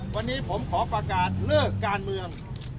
วันนี้ผมขอประกาศเลิกการเมือง